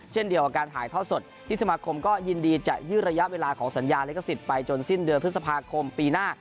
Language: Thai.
เช่นเดียวกับการถ่ายทอดสดที่สมาคมก็ยินดีจะยืดระยะเวลาของสัญญาลิขสิทธิ์ไปจนสิ้นเดือนพฤษภาคมปีหน้า